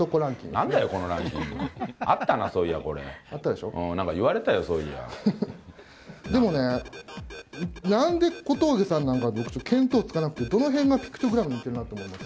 なんだよ、このランキング。あったな、そういや、なんか言われたよ、そういやでもね、なんで小峠さんなんか、僕、ちょっと見当つかなくて、どのへんがピクトグラムに似てると思います？